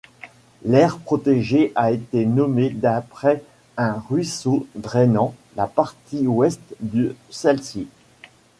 L'aire protégée a été nommée d'après un ruisseau drainant la partie ouest de celle-ci.